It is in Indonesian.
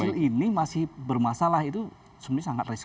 hal yang kecil ini masih bermasalah itu sebenarnya sangat risk